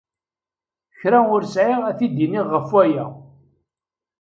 Kra ur sɛiɣ ad t-id-iniɣ ɣef aya.